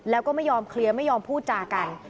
แล้วก็ไม่ยอมเคลียร์ไม่ยอมพูดจากัน